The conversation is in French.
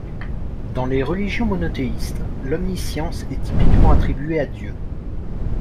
Dans les religions monothéistes, l'omniscience est typiquement attribuée à Dieu.